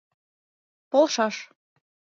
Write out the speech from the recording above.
ПОЛШАШ